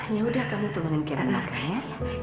yaudah kamu temanin kevin makan ya